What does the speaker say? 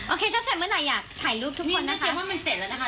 โอเคถ้าเสร็จเมื่อไหร่อยากถ่ายรูปทุกคนนะคะ